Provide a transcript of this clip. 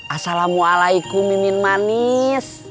assalamualaikum mimin manis